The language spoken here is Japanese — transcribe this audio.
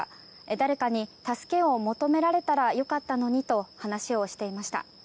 誰かに助けを求められたら良かったのにと話をしていました。